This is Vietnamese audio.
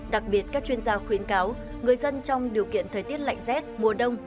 đặc biệt các chuyên gia khuyến cáo người dân trong điều kiện thời tiết lạnh rét mùa đông